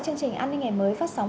chương trình an ninh ngày mới phát sóng